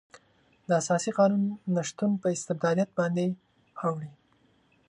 د اساسي قانون نشتون په استبدادیت باندې اوړي.